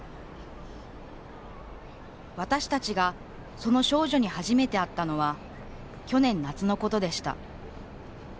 私たちがその少女に初めて会ったのは去年夏のことでした。